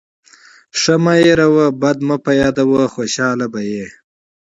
ښه مه هېروه، بد مه پیاده وه. خوشحاله به يې.